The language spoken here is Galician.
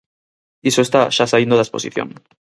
Iso está xa saíndo da exposición.